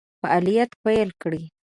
فعالیت پیل کړي.